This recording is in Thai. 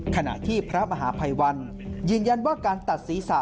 ขณะที่พระมหาภัยวันยืนยันว่าการตัดศีรษะ